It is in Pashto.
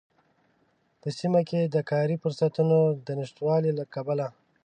په سيمه کې د کاری فرصوتونو د نشتوالي له کبله